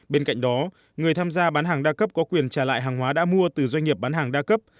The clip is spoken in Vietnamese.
bên cạnh đó người tham gia bán hàng đa cấp có quyền trả lại hàng hóa đã mua từ doanh nghiệp bán hàng đa cấp